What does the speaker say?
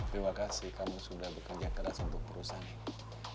terima kasih kamu sudah bekerja keras untuk perusahaan ini